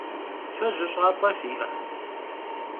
Fe jış'ap'e fi'e?